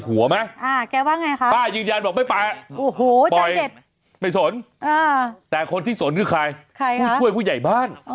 ป้ายืนยันบอกไม่ไปปล่อยไม่สนแต่คนที่สนคือใครผู้ช่วยผู้ใหญ่บ้าน